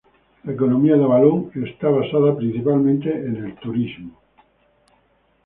La economía de Avalon está basada principalmente en el turismo.